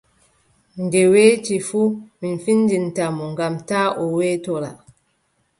Nde weeti fuu boo, min findinta mo, ngam taa o weetora!